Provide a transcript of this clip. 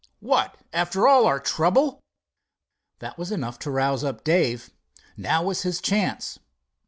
"What! after all our trouble?" That was enough to rouse up Dave. Now was his chance.